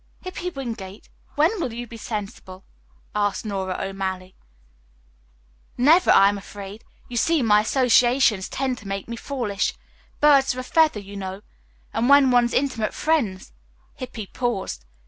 "Hippy Wingate, when will you be sensible?" asked Nora O'Malley. "Never, I am afraid. You see, my associations tend to make me foolish. Birds of a feather, you know, and when one's intimate friends " Hippy paused.